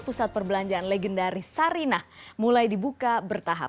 pusat perbelanjaan legendaris sarinah mulai dibuka bertahap